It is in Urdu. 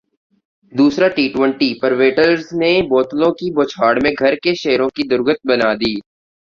دوسرا ٹی ٹوئنٹی پروٹیز نے بوتلوں کی بوچھاڑمیں گھر کے شیروں کی درگت بنادی